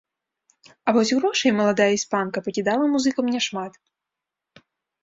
А вось грошай маладая іспанка пакідала музыкам няшмат.